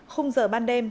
khung giờ ban đêm